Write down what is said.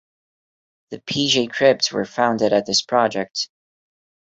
The P Jay Crips were founded at this project.